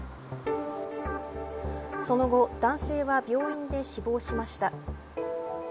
その後男性は病院で死亡しました。